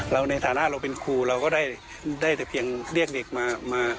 ในฐานะเราเป็นครูเราก็ได้แต่เพียงเรียกเด็กมา